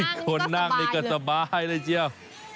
คนนั่งนี่ก็สบายเลยเชียว